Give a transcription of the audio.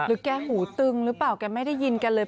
แกหูตึงหรือเปล่าแกไม่ได้ยินแกเลย